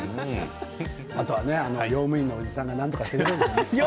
あとはねあの用務員のおじさんがなんとかしてくれるんじゃないですか。